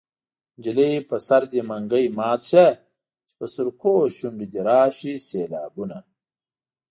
نجلۍ په سر دې منګی مات شه چې په سرکو شونډو دې راشي سېلابونه